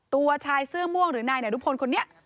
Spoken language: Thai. ตัวชายเสื้อม่วงหรือนายนารุพลคนนี้